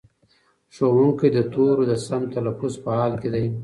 ښوونکی د تورو د سم تلفظ په حال کې دی.